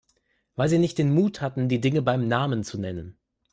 Weil Sie nicht den Mut hatten, die Dinge beim Namen zu nennen.